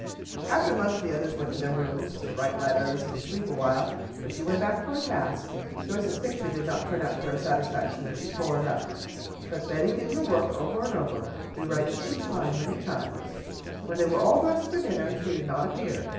After lunch the others went to their rooms to write letters and sleep awhile, but she went back to her task. Joyce's picture did not turn out to her satisfaction, and she tore it up, but Betty did her work over and over, rewriting each line many times. When they were all dressed for dinner, she did not appear.